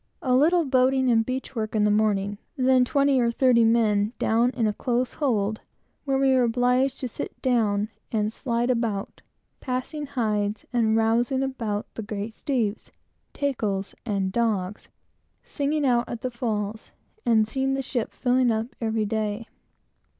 A little boating and beach work in the morning; then twenty or thirty men down in a close hold, where we were obliged to sit down and slide about, passing hides, and rowsing about the great steeves, tackles, and dogs, singing out at the falls, and seeing the ship filling up every day.